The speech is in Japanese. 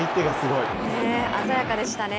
鮮やかでしたね。